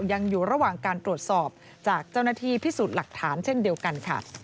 ยังอยู่ระหว่างการตรวจสอบจากเจ้าหน้าที่พิสูจน์หลักฐานเช่นเดียวกันค่ะ